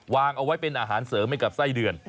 วางเอาไว้เป็นอาหารเสริมให้กับไส้เดือน